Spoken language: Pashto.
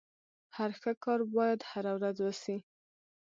هر ښه کار بايد هره ورځ وسي.